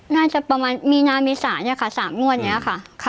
น่าจะประมาณมีนาเมษาเนี่ยค่ะ๓งวดนี้ค่ะ